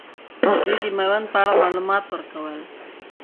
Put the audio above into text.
دوي د میوند په اړه معلومات ورکول.